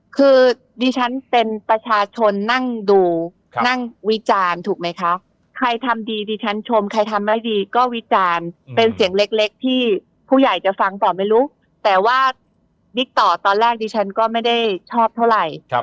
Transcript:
คือดิฉันเป็นประชาชนนั่งดูนั่งวิจารณ์ถูกไหมคะใครทำดีดิฉันชมใครทำไม่ดีก็วิจารณ์เป็นเสียงเล็กที่ผู้ใหญ่จะฟังต่อไม่รู้แต่ว่าบิ๊กต่อตอนแรกดิฉันก็ไม่ได้ชอบเท่าไหร่